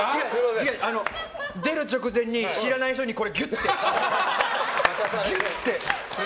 違う、出る直前に知らない人にこれ、ギュッて。